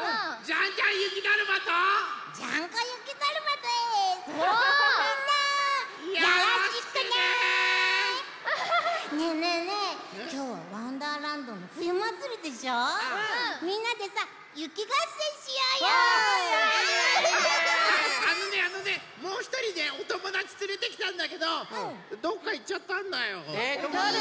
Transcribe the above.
あのねあのねもうひとりねおともだちつれてきたんだけどどっかいっちゃったんだよ。だれ？